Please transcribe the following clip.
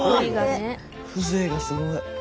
風情がすごい。